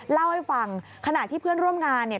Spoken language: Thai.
เล่าให้ฟังขณะที่เพื่อนร่วมงานเนี่ย